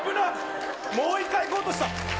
もう一回いこうとした。